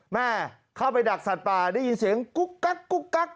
แม่เข้าไปดักสัตว์ป่าได้ยินเสียงกุ๊กกักกุ๊กกัก